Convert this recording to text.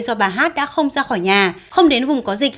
do bà hát đã không ra khỏi nhà không đến vùng có dịch